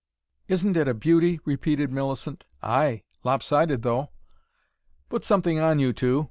"Isn't it a beauty!" repeated Millicent. "Ay! lop sided though." "Put something on, you two!"